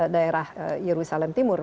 daerah yerusalem timur